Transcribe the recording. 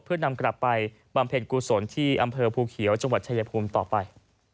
เพื่อนำกลับไปบำเพ็ญกุศลที่อำเภอภูเขียวจังหวัดชายภูมิต่อไป